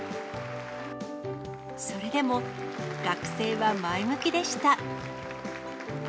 それでも、学生は前向きでした。